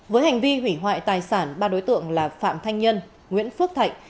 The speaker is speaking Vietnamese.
với hành vi hủy hoại tài sản ba đối tượng là phạm thanh nhân nguyễn phước thạnh